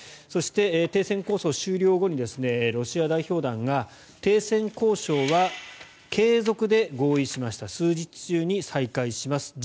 そして、停戦交渉終了後にロシア代表団が停戦交渉は継続で合意しました数日中に再開します。